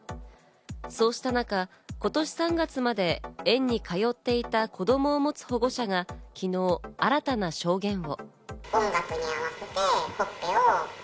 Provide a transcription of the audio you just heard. そうした中、今年３月まで園に通っていた子供を持つ保護者が、昨日、新たな証言を。